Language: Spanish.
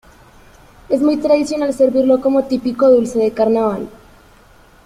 Es muy tradicional servirlo como típico dulce de carnaval.